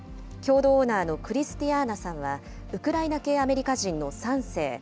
共同オーナーのクリスティアーナさんは、ウクライナ系アメリカ人の３世。